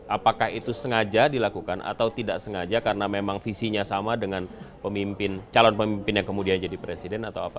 apakah itu sengaja dilakukan atau tidak sengaja karena memang visinya sama dengan calon pemimpin yang kemudian jadi presiden atau apa